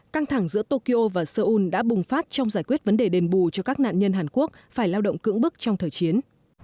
căng thẳng giữa tokyo và seoul đã bùng phát trong giải quyết vấn đề đền bù cho các nạn nhân hàn quốc phải lao động cưỡng bức trong thời chiến